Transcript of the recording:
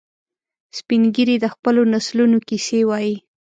سپین ږیری د خپلو نسلونو کیسې وایي